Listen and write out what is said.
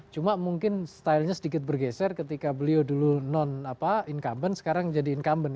cuma mungkin stylenya sedikit bergeser ketika beliau dulu non incumbent sekarang jadi incumbent